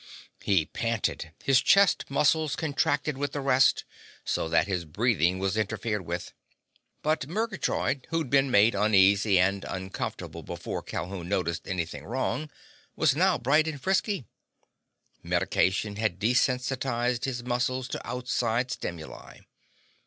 He panted. His chest muscles contracted with the rest, so that his breathing was interfered with. But Murgatroyd, who'd been made uneasy and uncomfortable before Calhoun noticed anything wrong, was now bright and frisky. Medication had desensitized his muscles to outside stimuli.